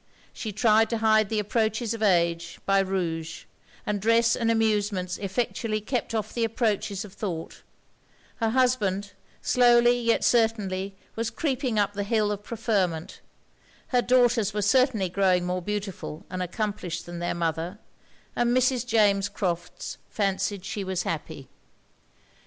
She tried to hide the approaches of age, by rouge; and dress and amusements effectually kept off the approaches of thought; her husband, slowly yet certainly was creeping up the hill of preferment; her daughters were certainly growing more beautiful and accomplished than their mother; and Mrs. James Crofts fancied she was happy.